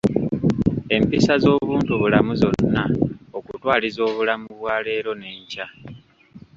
Empisa ez'obuntubulamu zonna okutwaliza obulamu bwo leero n'enkya.